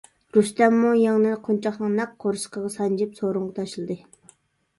رۇستەممۇ يىڭنىنى قونچاقنىڭ نەق قورسىقىغا سانجىپ سورۇنغا تاشلىدى.